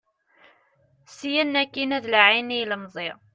Syin akkin ad laɛin i yilemẓi.